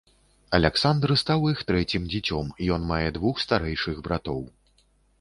Аляксандр стаў іх трэцім дзіцём, ён мае двух старэйшых братоў.